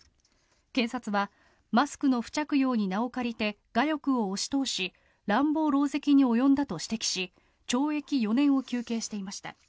検察はマスクの不着用に名を借りて我欲を押し通し乱暴狼藉に及んだと指摘し懲役４年を求刑していました。